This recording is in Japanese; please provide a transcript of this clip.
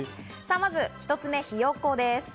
まず１つ目、ひよこです。